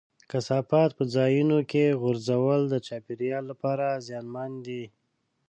کثافات په ځایونو کې غورځول د چاپېریال لپاره زیانمن دي.